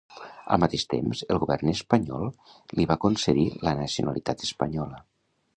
Al mateix temps, el govern espanyol li va concedir la nacionalitat espanyola.